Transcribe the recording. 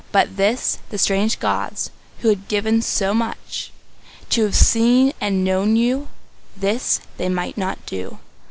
But this the strange gods, who had given so much, To have seen and known you, this they might not do.